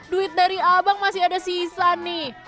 duit dari abang masih ada sisa nih